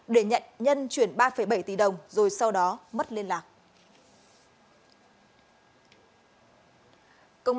để nhận nhân chuyển ba bảy tỷ đồng rồi sau đó mất liên lạc